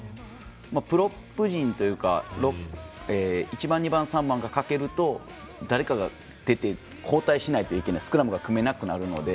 プロップ陣というか１番、２番、３番が欠けると誰かが交代しないといけないスクラムが組めなくなるので。